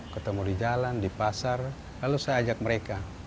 ketemu di jalan di pasar lalu saya ajak mereka